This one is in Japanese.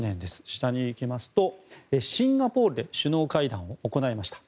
下に行きますとシンガポールで首脳会談を行いました。